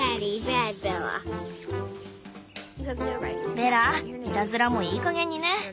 ベラいたずらもいいかげんにね。